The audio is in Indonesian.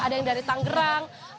ada yang dari tanggerang